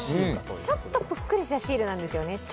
ちょっとプックリしたシールなんですよね。